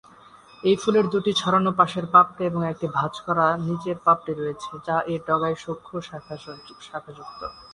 এই ফুলের দুটি ছড়ানো পাশের 'পাপড়ি' এবং একটি ভাঁজ করা নিচের পাপড়ি রয়েছে যা এর ডগায় সূক্ষ্ম-শাখাযুক্ত।